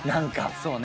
そうね。